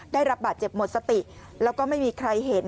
ได้รับบาดเจ็บหมดสติแล้วก็ไม่มีใครเห็น